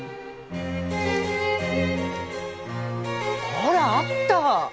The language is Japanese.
ほらあった！